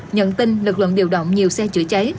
nhận tin lực lượng điều động nhiều xe chữa cháy